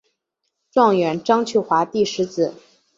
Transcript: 状元张去华第十子。